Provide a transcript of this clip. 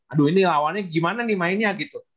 aduh ini lawannya gimana nih mainnya gitu